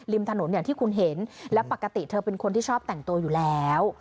ถนนอย่างที่คุณเห็นและปกติเธอเป็นคนที่ชอบแต่งตัวอยู่แล้ว